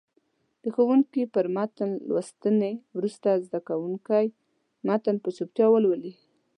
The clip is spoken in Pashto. د ښوونکي تر متن لوستنې وروسته زده کوونکي متن په چوپتیا ولولي.